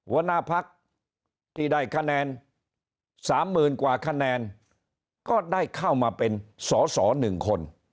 หัวหน้าพักษ์ที่ได้คะแนนสามหมื่นกว่าคะแนนก็ได้เข้ามาเป็นสอสอหนึ่งคน